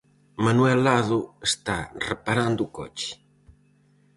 Manuel Lado está reparando o coche.